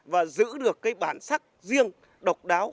và giữ được cái bản sắc riêng độc đáo